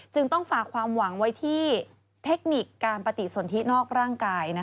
ต้องฝากความหวังไว้ที่เทคนิคการปฏิสนทินอกร่างกาย